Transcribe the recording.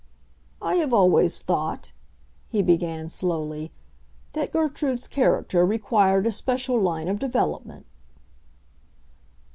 "I have always thought," he began, slowly, "that Gertrude's character required a special line of development."